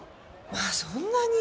まあそんなに！